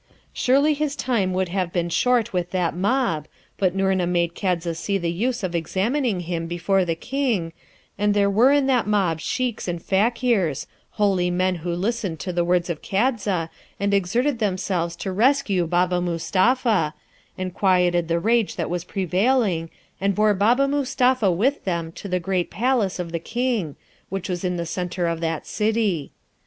Surely his time would have been short with that mob, but Noorna made Kadza see the use of examining him before the King, and there were in that mob sheikhs and fakirs, holy men who listened to the words of Kadza, and exerted themselves to rescue Baba Mustapha, and quieted the rage that was prevailing, and bore Baba Mustapha with them to the great palace of the King, which was in the centre of that City.